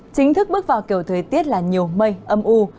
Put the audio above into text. chính thức bước vào kiểu thời tiết là nhiều mây âm u